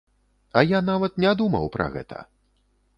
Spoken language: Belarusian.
А я нават не думаў пра гэта!